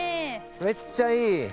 めっちゃいい！